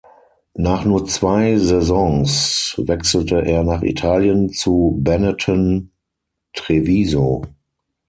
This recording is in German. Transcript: Nach nur zwei Saisons wechselte er nach Italien zu Benetton Treviso.